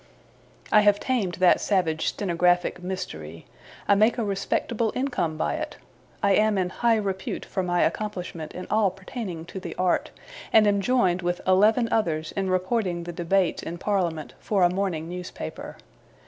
I have tamed that savage stenographic mystery. I make a respectable income by it. I am in high repute for my accomplishment in all pertaining to the art, and am joined with eleven others in reporting the debates in Parliament for a Morning Newspaper.